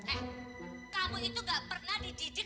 eh kamu itu gak pernah dijidit